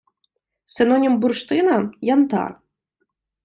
Синонім бурштина – янтар